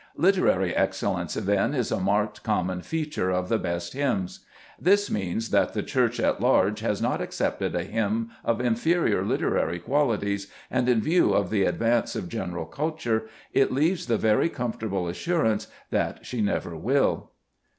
Literary excellence, then, is a marked com mon feature of the best hymns. This means that the Church at large has not accepted a hymn of inferior literary qualities, and in view of the advance of general culture, it leaves the very comfortable assurance that she never will.